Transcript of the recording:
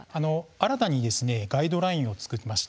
新たにガイドラインが作られました。